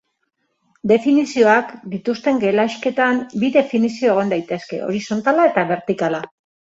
Definizioak dituzten gelaxketan bi definizio egon daitezke; horizontala eta bertikala.